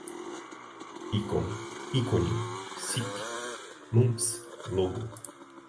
icon, ícone, sequeak, mumps, logo